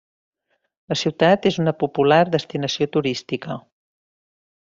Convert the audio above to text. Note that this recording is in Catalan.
La ciutat és una popular destinació turística.